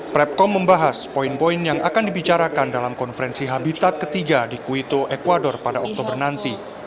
prepkom membahas poin poin yang akan dibicarakan dalam konferensi habitat ketiga di kuito ecuador pada oktober nanti